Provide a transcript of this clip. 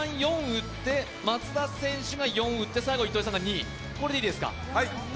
４打って、松田選手が４打って、最後、糸井さんが２、これでいいですか？